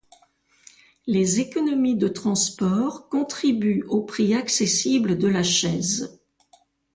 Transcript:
Les économies de transport contribuent au prix accessible de la chaise.